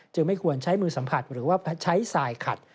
ไม่ควรใช้มือสัมผัสหรือว่าใช้สายขัด